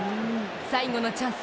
最後のチャンス